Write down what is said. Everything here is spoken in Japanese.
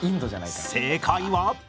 正解は？